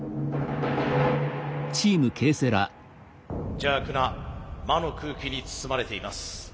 邪悪な魔の空気に包まれています。